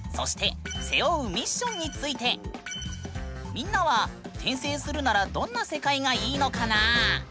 みんなは転生するならどんな世界がいいのかなあ？